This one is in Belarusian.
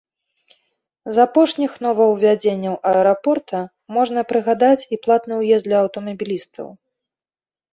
З апошніх новаўвядзенняў аэрапорта можна прыгадаць і платны ўезд для аўтамабілістаў.